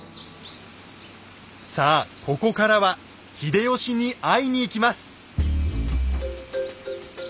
さあここからは秀吉に会いに行きます。